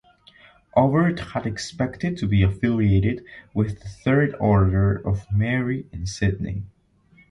Aubert had expected to be affiliated with the Third Order of Mary in Sydney.